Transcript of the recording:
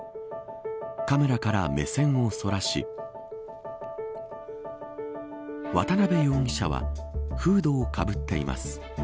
カメラから目線をそらし渡辺容疑者はフードをかぶっています。